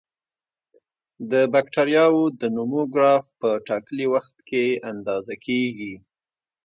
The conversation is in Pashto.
د بکټریاوو د نمو ګراف په ټاکلي وخت کې اندازه کیږي.